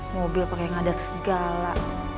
mobil pake ngadet segala